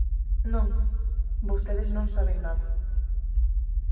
Non, vostedes non saben nada.